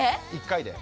１回で。